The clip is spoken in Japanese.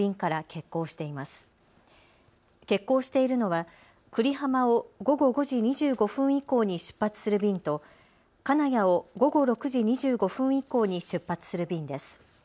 欠航しているのは久里浜を午後５時２５分以降に出発する便と、金谷を午後６時２５分以降に出発する便です。